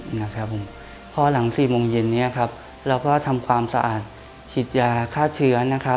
เพราะหลัง๔โมงเย็นนี้เราก็ทำความสะอาดฉีดยาฆ่าเชื้อ